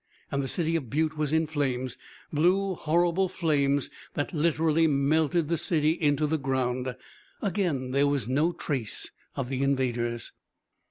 And the city of Butte was in flames; blue, horrible flames that literally melted the city into the ground. Again there was no trace of the invaders.